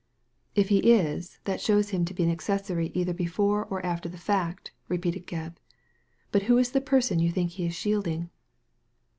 " If he is, that shows him to be an accessory either before or after the fact," repeated Gebb. "But who is the person you think he is shielding